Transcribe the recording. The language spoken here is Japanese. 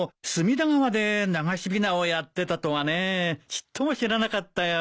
ちっとも知らなかったよ。